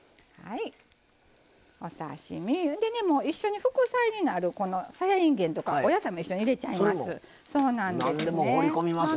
お刺身でねもう一緒に副菜になるさやいんげんとかお野菜も一緒に入れちゃいます。